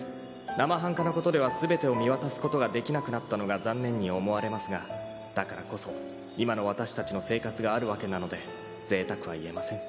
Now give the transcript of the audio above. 「生半可なことでは全てを見渡すことができなくなったのが残念に思われますがだからこそ今のわたしたちの生活があるわけなのでぜいたくはいえません」